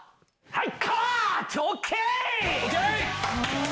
はい！